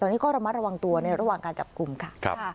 ตอนนี้ก็ระมัดระวังตัวในระหว่างการจับกลุ่มค่ะ